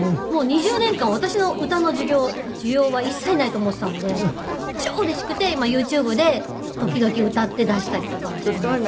２０年間私の歌の需要は一切ないと思っていたので超うれしくて今ＹｏｕＴｕｂｅで時々歌って出したりとかはしています。